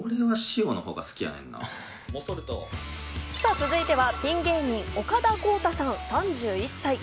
続いてはピン芸人、岡田康太さん、３１歳。